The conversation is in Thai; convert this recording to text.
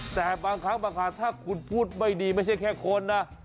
แต่บางครั้งถ้าคุณพูดไม่ดีไม่ใช่แค่คนนะ